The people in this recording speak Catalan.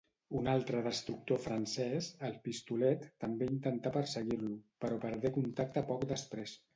Un altre destructor francès, el Pistolet també intentà perseguir-lo, però perdé contacte poc després.